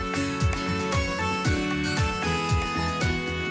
โปรดติดตามตอนต่อไป